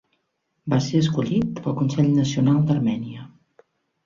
Va ser escollit pel Consell Nacional d'Armènia.